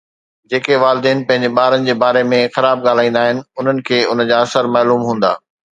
جيڪي والدين پنهنجي ٻارن جي باري ۾ خراب ڳالهائيندا آهن انهن کي ان جا اثر معلوم هوندا